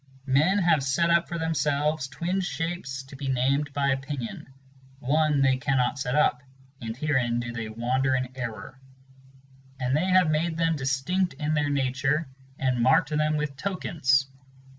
is "Men have set up for themselves twin shapes to be named by Opinion, (One they cannot set up, and herein do they wander in error,) And they have made them distinct in their nature, and marked them with tokens, Parmenides.